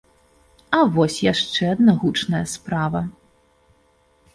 А вось яшчэ адна гучная справа.